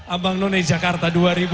abang none jakarta dua ribu dua puluh